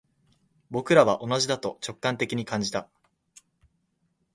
僕らは同じだと直感的に感じた